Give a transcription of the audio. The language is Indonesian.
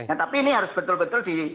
nah tapi ini harus betul betul di